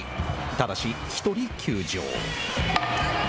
ただし、１人休場。